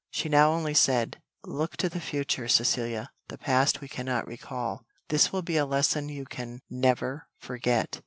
She now only said, "Look to the future, Cecilia, the past we cannot recall. This will be a lesson you can never forget."